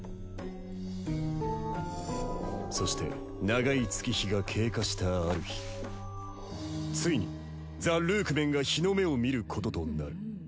そして長い月日が経過したある日ついにザ・ルークメンが日の目を見ることとなる。